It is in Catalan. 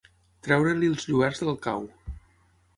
Treure-li els lluerts del cau.